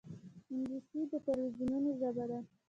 انګلیسي د تلویزونونو ژبه ده